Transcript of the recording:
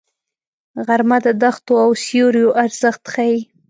غرمه د دښتو او سیوریو ارزښت ښيي